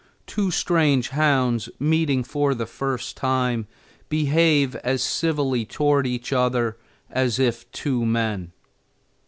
Two strange hounds, meeting for the first time, behave as civilly toward each other as if two men.